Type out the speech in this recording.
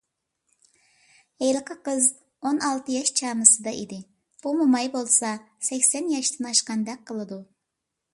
ھېلىقى قىز ئون ئالتە ياش چامىسىدا ئىدى، بۇ موماي بولسا سەكسەن ياشتىن ئاشقاندەك قىلىدۇ.